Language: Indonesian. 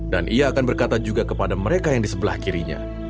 dan ia akan berkata juga kepada mereka yang di sebelah kirinya